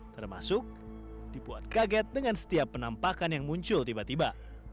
termasuk dibuat kaget dengan setiap penampakan yang muncul tiba tiba